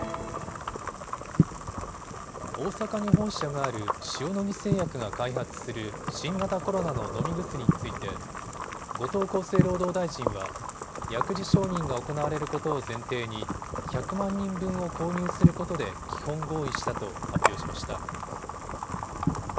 大阪に本社がある塩野義製薬が開発する新型コロナの飲み薬について後藤厚生労働大臣は薬事承認が行われることを前提に１００万人分を購入することで基本合意したと発表しました。